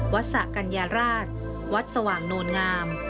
สกัญญาราชวัดสว่างโนลงาม